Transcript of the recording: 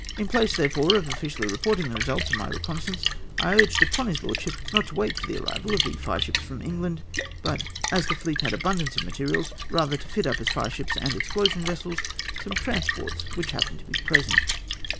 In place, therefore, of ofiicially reporting the residt of my reconnaissance^ I urged upon his lordship not to wait the arrival of the fire ships from England, but as the fleet had abundance of materials, rather to fit up, as fire ships and explosion vessels, some transports which happened to be present.